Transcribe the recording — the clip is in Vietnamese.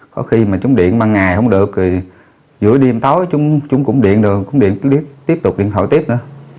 có khi mà chúng điện ban ngày không được thì giữa đêm tối chúng cũng điện được tiếp tục điện thoại tiếp nữa